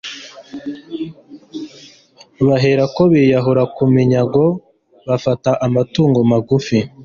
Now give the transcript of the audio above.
baherako biyahura ku minyago. bafata amatungo magufi